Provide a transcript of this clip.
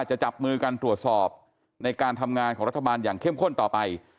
จะจับมือกันตรวจสอบในการทำงานของรัฐบาลอย่างเข้มข้นต่อไป